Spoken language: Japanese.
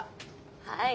はい。